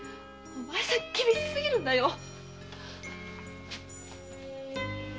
お前さん厳しすぎるんだよ。